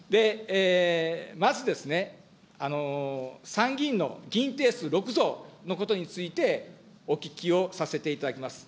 まずですね、参議院の議員定数６増のことについて、お聞きをさせていただきます。